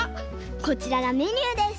こちらがメニューです。